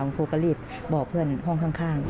ครูก็รีบบอกเพื่อนห้องข้าง